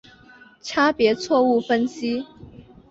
差别错误分析。